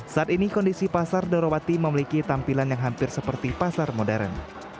saat ini kondisi pasar darawati memiliki tampilan yang hampir seperti pasar modern